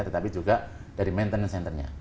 tetapi juga dari maintenance centernya